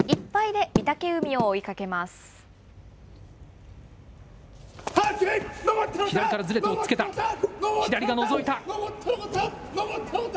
１敗で御嶽海を追いかけます。